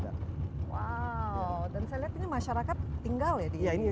wow dan saya lihat ini masyarakat tinggal ya